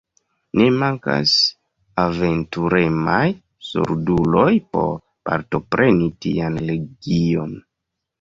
Ne mankas aventuremaj solduloj por partopreni tian legion.